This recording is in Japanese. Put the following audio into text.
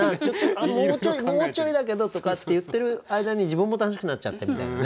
もうちょいもうちょいだけどとかって言ってる間に自分も楽しくなっちゃってみたいなね